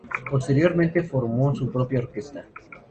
Posteriormente formó su propia orquesta.